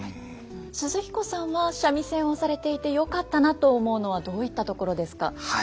寿々彦さんは三味線をされていてよかったなと思うのはどういったところですか？